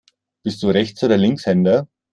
Bist du Rechts- oder Linkshänder?